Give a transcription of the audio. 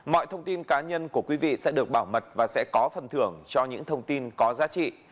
mọi thông tin cá nhân của quý vị sẽ được bảo mật và sẽ có phần thưởng cho những thông tin có giá trị